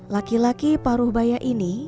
laki laki paruh baya ini